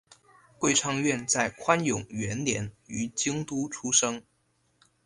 桂昌院在宽永元年于京都出生。